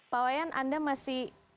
pak wayan anda masih